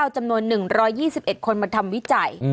จำนวน๑๒๑คนมาทำวิจัย